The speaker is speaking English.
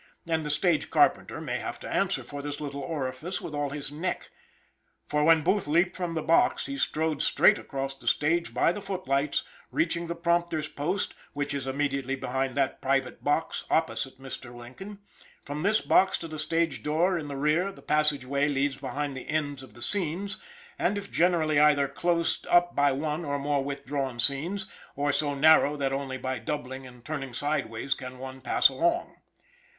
And the stage carpenter may have to answer for this little orifice with all his neck. For when Booth leaped from the box he strode straight across the stage by the footlights, reaching the prompter's post, which is immediately behind that private box opposite Mr. Lincoln. From this box to the stage door in the rear, the passage way leads behind the ends of the scenes, and if generally either closest up by one or more withdrawn scenes, or so narrow that only by doubling and turning sidewise can one pass along.